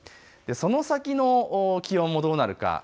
その先の気温もどうなるか。